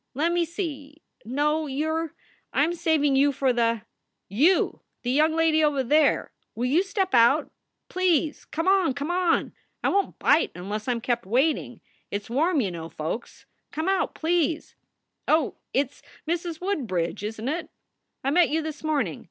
Let me see no, you re I m saving you for the You, the young lady over there will you step out ? Please ! Come on, come on! I won t bite unless I m kept waiting; it s warm you know, folks. Come out, please. Oh, it s Mrs. Woodbridge, isn t it? I met you this morning.